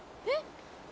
えっ？